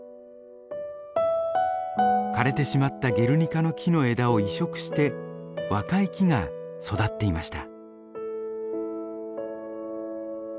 枯れてしまったゲルニカの樹の枝を移植して若い木が育っていました。